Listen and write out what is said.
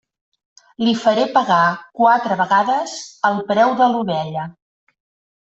Li faré pagar quatre vegades el preu de l'ovella!